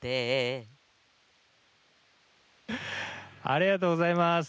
ありがとうございます！